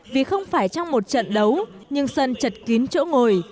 vì không phải trong một trận đấu nhưng sân chật kín chỗ ngồi